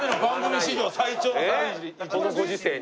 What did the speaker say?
このご時世に。